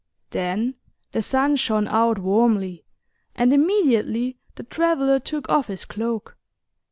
Then the Sun shined out warmly, and immediately the traveler took off his cloak.